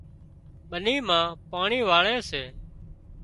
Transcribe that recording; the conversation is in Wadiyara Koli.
ٻني مان پاڻي واۯي سي